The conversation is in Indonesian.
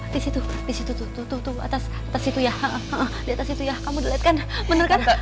di situ di situ atas di atas situ ya kamu dilihat kan bener kan